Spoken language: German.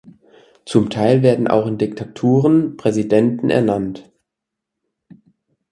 Zum Teil werden auch in Diktaturen Präsidenten ernannt.